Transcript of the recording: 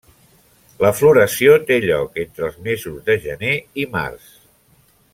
La floració té lloc entre els mesos de gener i març.